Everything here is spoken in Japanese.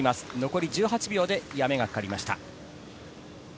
残り１８秒で止めがかかりました。